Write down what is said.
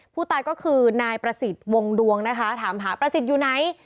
ผู้ตายก็คือนายประสิทธิ์วงดวงนะคะถามหาประสิทธิ์อยู่ไหน